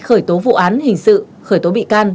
khởi tố vụ án hình sự khởi tố bị can